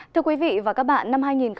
thưa quý vị và các bạn